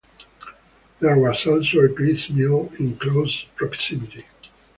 There was also a grist mill in close proximity.